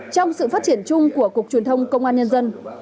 trong sự phát triển chung của cục truyền thông công an nhân dân